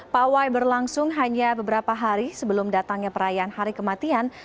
pawai berlangsung hanya beberapa hari sebelum datangnya perayaan hari kematian